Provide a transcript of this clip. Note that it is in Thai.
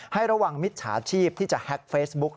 ให้ระวังมิจฉาชีพที่จะแฮ็กเฟซบุ๊ก